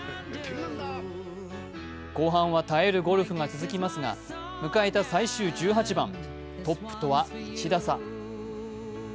後半は耐えるゴルフが続きますが迎えた最終１８番、トップとは１打差。